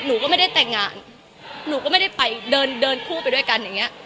หนูก็ไม่ได้แต่งงานหนูก็ไม่ได้ไปเดินเดินคู่ไปด้วยกันอย่างเงี้ย